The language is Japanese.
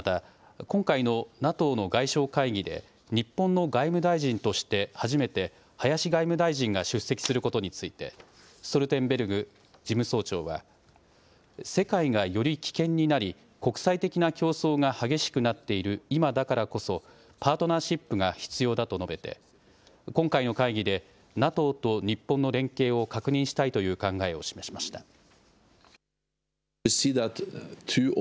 また、今回のＮＡＴＯの外相会議で日本の外務大臣として初めて林外務大臣が出席することについてストルテンベルグ事務総長は世界がより危険になり国際的な競争が激しくなっている今だからこそパートナーシップが必要だと述べて今回の会議でＮＡＴＯと日本の連携を確認したいという考えを示しました。